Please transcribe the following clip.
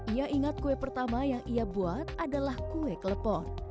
ia ingat kue pertama yang ia buat adalah kue kelepon